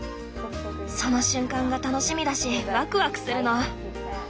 その瞬間が楽しみだしワクワクするの。